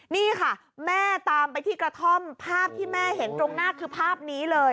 นี่ค่ะแม่ตามไปที่กระท่อมภาพที่แม่เห็นตรงหน้าคือภาพนี้เลย